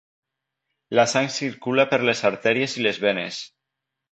La sang circula per les artèries i les venes.